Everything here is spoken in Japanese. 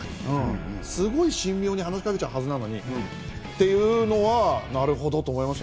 すごい神妙に話しかけちゃうはずなのに、なるほどと思いました。